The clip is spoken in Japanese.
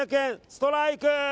ストライク。